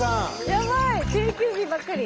やばい！定休日ばっかり。